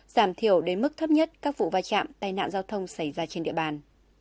giảm thiểu đến mức thấp nhất các vụ vai trạm tai nạn giao thông xảy ra trên địa bàn